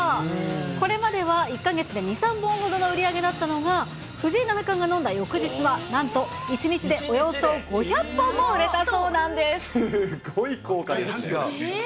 これまでは１か月で２、３本ほどの売り上げだったのが、藤井七冠が飲んだ翌日はなんと１日でおよ大反響ですね。